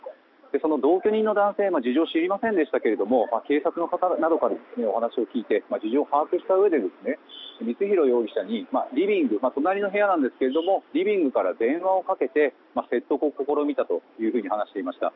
その同居人の男性は事情を知りませんでしたけども警察の方などからのお話を聞いて事情を把握したうえで光弘容疑者に隣の部屋なんですけどもリビングから電話をかけて説得を試みたというふうに話していました。